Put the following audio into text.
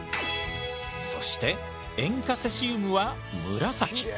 そして塩化セシウムは紫！